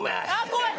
怖い！